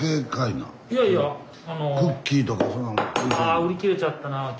売り切れちゃった？